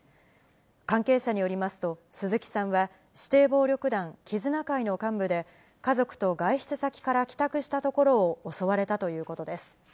関係者によりますと、鈴木さんは、指定暴力団絆会の幹部で、家族と外出先から帰宅したところを襲われたということです。